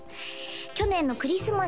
去年のクリスマス